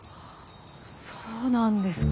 そうなんですか。